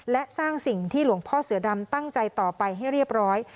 และสร้างสิ่งที่หลวงพ่อเสือดำตั้งใจต่อไปให้เรียบร้อย